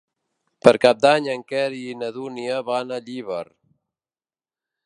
Per Cap d'Any en Quer i na Dúnia van a Llíber.